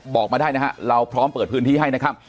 บอกมาได้นะฮะเราพร้อมเปิดพื้นที่ให้นะครับ